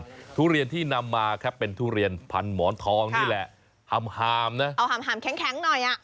ทุเรียนทุเรียนที่นำมาครับเป็นทุเรียนผันหมอนทองนี่แหละฮามฮามนะเอาฮามฮามแข็งแข็งหน่อยอ่ะ